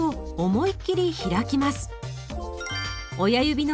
はい。